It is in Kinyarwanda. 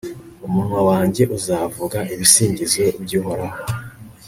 umunwa wanjye uzavuga ibisingizo by'uhoraho